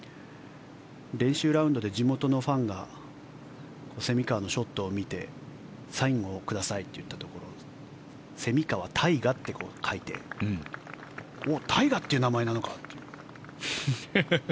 練習ラウンドで地元のファンが蝉川のショットを見てサインをくださいと言ったところ蝉川泰果って書いておっ、泰果という名前なのかと。